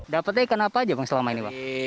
dapetnya ikan apa saja bang selama ini bang